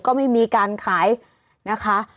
ก็ไม่มีการขายนะคะ